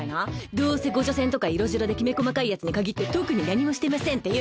どうせゴジョセンとか色白できめ細かいヤツにかぎって「特に何もしてません」って言うのよ。